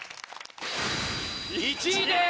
１位です！